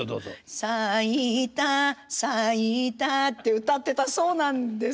「さいたさいた」って歌ってたそうなんです。